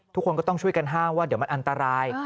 ทุกคนก็ต้องช่วยกันห้ามว่าเดี๋ยวมันอันตราย